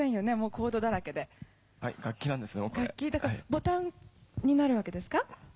ボタンになるわけですか？